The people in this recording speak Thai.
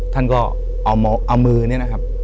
ท่านก็เอามือเนี่ยนะครับ